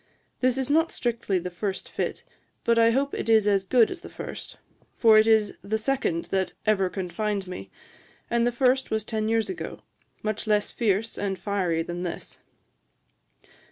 This is not strictly the first fit, but I hope it is as good as the first; for it is the second that ever confined me; and the first was ten years ago, much less fierce and fiery than this.'